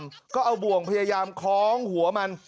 แล้วก็เอาบ่วงพยายามคล้องหัวมัน